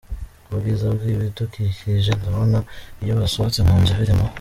Ubwiza bw’ibidukikije babona iyo basohotse mu nzu biri mu